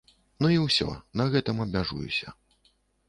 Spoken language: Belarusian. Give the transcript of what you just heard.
Ну і ўсё, на гэтым абмяжуюся.